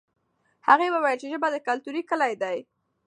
هغه وویل چې ژبه د کلتور کلي ده.